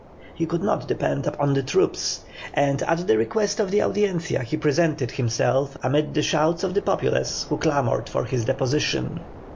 He could not depend upon the troops, and at the request of the Audiencia he presented himself, amid the shouts of the populace who clamoured for his deposition.